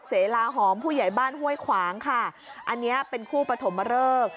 เสลาหอมผู้ใหญ่บ้านห้วยขวางค่ะอันนี้เป็นคู่ปฐมเริก